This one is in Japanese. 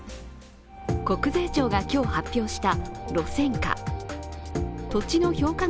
国税庁が今日発表した路線価。